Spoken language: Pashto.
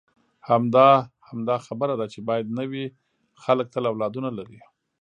همدا، همدا خبره ده چې باید نه وي، خلک تل اولادونه لري.